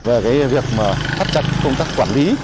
và việc phát trật công tác quản lý